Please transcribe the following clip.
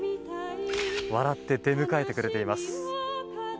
笑って出迎えてくれています。